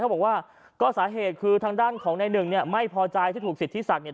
บอกว่าก็สาเหตุคือทางด้านของในหนึ่งเนี่ยไม่พอใจที่ถูกสิทธิศักดิ์